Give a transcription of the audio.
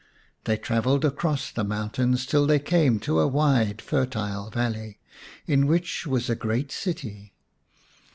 They travelled across the mountains till they came to a wide fertile valley, in which was a great city.